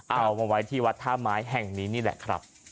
เอามาไว้ที่วัดท่าไม้แห่งนี้นี่แหละครับ